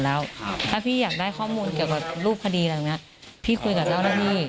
แล้วถ้าพี่อยากได้ข้อมูลเกี่ยวกับรูปคดีอะไรอย่างนี้พี่คุยกับเจ้าหน้าที่